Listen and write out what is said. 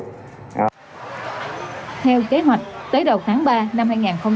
các cơ sở dịch vụ này để mà bình thường hóa lại các hoạt động ở trong nhà trường